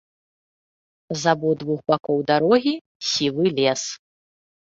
З абодвух бакоў дарогі сівы лес.